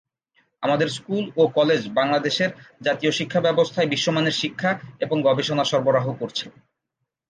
আমাদের স্কুল ও কলেজ বাংলাদেশের জাতীয় শিক্ষাব্যবস্থায় বিশ্বমানের শিক্ষা এবং গবেষণা সরবরাহ করছে।